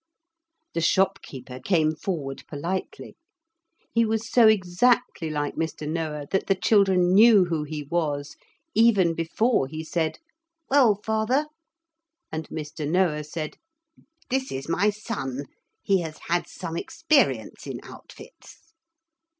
The shopkeeper came forward politely. He was so exactly like Mr. Noah that the children knew who he was even before he said, 'Well, father,' and Mr. Noah said, 'This is my son: he has had some experience in outfits.'